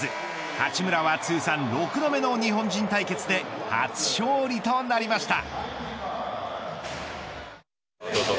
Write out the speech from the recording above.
八村は通算６度目の日本人対決で初勝利となりました。